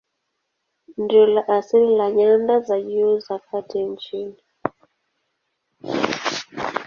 Ndilo la asili la nyanda za juu za kati nchini.